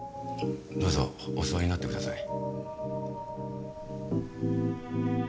どうぞお座りになってください